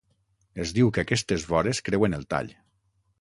Es diu que aquestes vores creuen el tall.